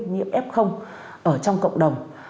như f ở trong cộng đồng